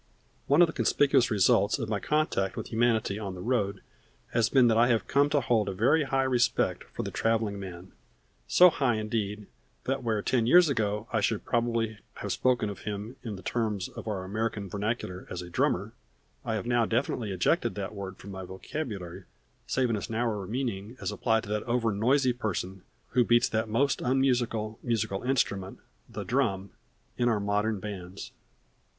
One of the conspicuous results of my contact with humanity on the road has been that I have come to hold a very high respect for the traveling man; so high indeed that where ten years ago I should probably have spoken of him in the terms of our American vernacular as a drummer, I have now definitely ejected that word from my vocabulary, save in its narrower meaning as applied to that overnoisy person who beats that most unmusical musical instrument, the drum, in our modern bands.